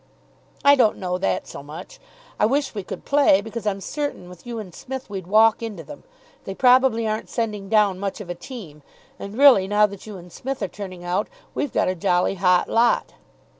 "I don't know that so much. I wish we could play, because I'm certain, with you and Smith, we'd walk into them. They probably aren't sending down much of a team, and really, now that you and Smith are turning out, we've got a jolly hot lot.